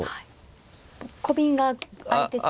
コビンがあいてしまう。